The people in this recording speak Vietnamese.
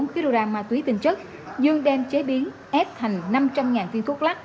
một trăm hai mươi bốn kg ma túy tinh chất dương đem chế biến ép thành năm trăm linh phiên thuốc lắc